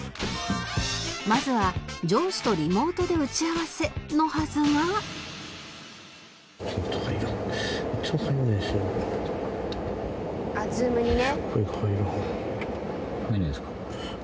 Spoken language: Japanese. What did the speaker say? まずは上司とリモートで打ち合わせのはずがああ Ｚｏｏｍ にね。